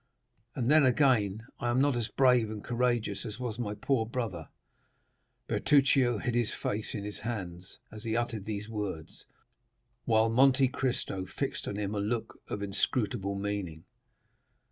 And then, again, I am not as brave and courageous as was my poor brother." Bertuccio hid his face in his hands as he uttered these words, while Monte Cristo fixed on him a look of inscrutable meaning.